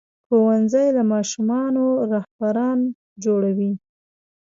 ښوونځی له ماشومانو رهبران جوړوي.